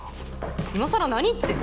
今さら何言ってんの？